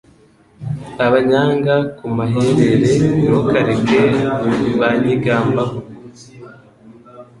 Abanyanga ku maherere ntukareke banyigambaho